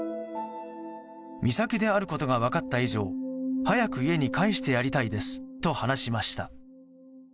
美咲であることが分かった以上早く家に帰してやりたいですと話しました。